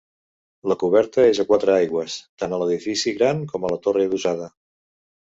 La coberta és a quatre aigües, tant a l'edifici gran com a la torre adossada.